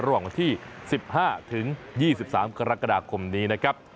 ระหว่างวันที่๑๕๒๓กรกฎาคมนี้นะครับ